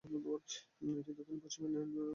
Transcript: এটি দক্ষিণ-পশ্চিমে দূরবীক্ষণ মণ্ডল কে স্পর্শ করেছে।